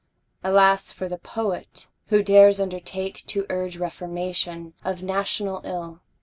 Alas for the Poet, who dares undertake To urge reformation of national ill!